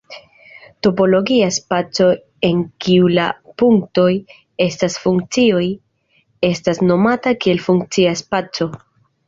Topologia spaco en kiu la "punktoj" estas funkcioj estas nomata kiel "funkcia spaco".